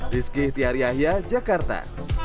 rizky tiar yahya jakarta